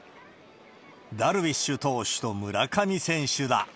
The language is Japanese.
ダルビッシュ投手と村上選手だ。